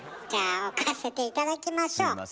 じゃあ置かせて頂きましょう。